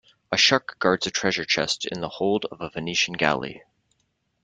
A shark guards a treasure chest in the hold of a Venetian galley.